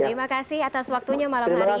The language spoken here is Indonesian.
terima kasih atas waktunya malam hari ini